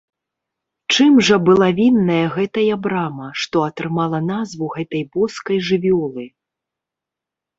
Чым жа была вінная гэтая брама, што атрымала назву гэтай боскай жывёлы?